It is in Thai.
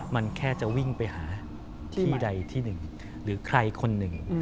มันแค่จะวิ่งไปหาที่ใดที่หนึ่งหรือใครคนหนึ่ง